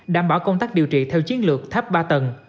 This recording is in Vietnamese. đảm bảo công tác điều trị theo chiến lược thấp ba tầng